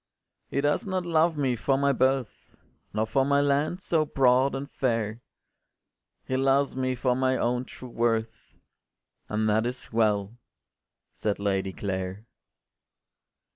“He does not love me for my birth, Nor for my lands so broad and fair; He loves me for my own true worth, And that is well,” said Lady Clare.